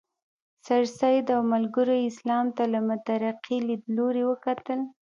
سرسید او ملګرو یې اسلام ته له مترقي لیدلوري وکتل.